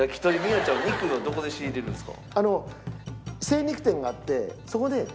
肉はどこで仕入れるんですか？